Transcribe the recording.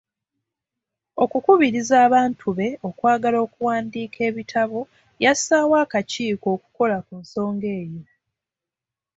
Okukubiriza abantu be okwagala okuwandiika ebitabo yassaawo akakiiko okukola ku nsonga eyo.